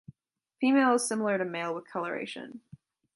Female is similar to male with coloration.